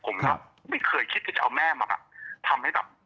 ผมไม่เคยคิดจะเอาแม่มาทำให้แบบ